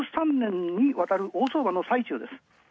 １３年にわたる大相場の最中です。